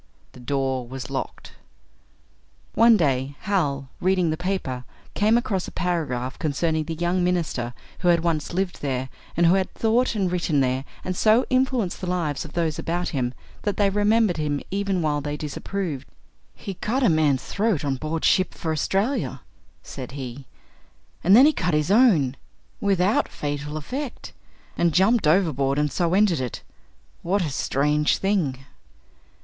The door was locked. One day, Hal, reading the paper, came across a paragraph concerning the young minister who had once lived there, and who had thought and written there and so influenced the lives of those about him that they remembered him even while they disapproved. "He cut a man's throat on board ship for Australia," said he, "and then he cut his own, without fatal effect and jumped overboard, and so ended it. What a strange thing!"